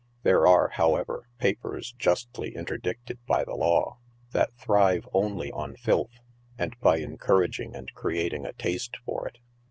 There are, however, papers, justly interdicted by the law, that thrive only on filth, and by encouraging and creating a taste for it.